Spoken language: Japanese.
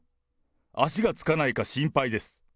足がつかないか心配です。